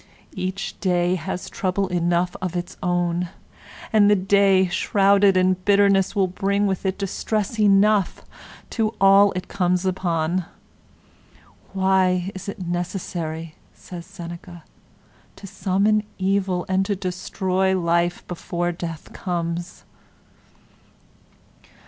'Each day has trouble enough of its own,' and the day, shrouded in bitterness, will bring with it distress enough to all it comes upon. 'Why is it necessary,' says Seneca, 'to summon evil' and to destroy life before death comes?